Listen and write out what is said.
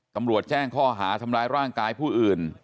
ตำรวจแจ้งข้อหาทำร้ายร่างกายผู้อื่น